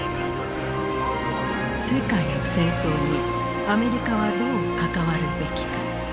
世界の戦争にアメリカはどう関わるべきか。